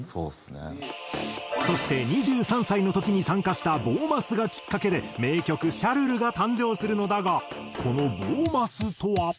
そして２３歳の時に参加したボーマスがきっかけで名曲『シャルル』が誕生するのだがこのボーマスとは？